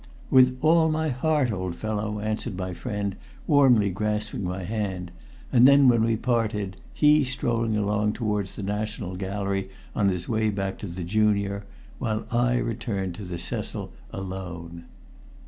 "With all my heart, old fellow," answered my friend, warmly grasping my hand, and then we parted, he strolling along towards the National Gallery on his way back to the "Junior," while I returned to the Cecil alone.